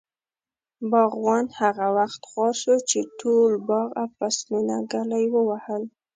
باغوان هغه وخت خوار شو، چې ټول باغ او فصلونه ږلۍ ووهل.